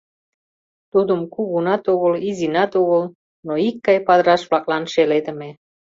Тудым кугунат огыл, изинат огыл, но икгай падыраш-влаклан шеледыме.